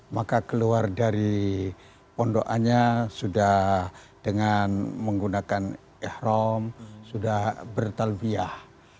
maka keluar dari pondoannya sudah dengan menggunakan ikhram sudah bertalbiah